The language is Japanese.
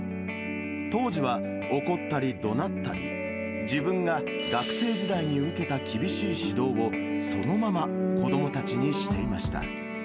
当時は怒ったりどなったり、自分が学生時代に受けた厳しい指導を、そのまま子どもたちにしていました。